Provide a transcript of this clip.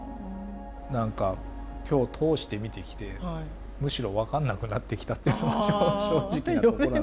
何か今日通して見てきてむしろ分かんなくなってきたっていうのが正直なところ。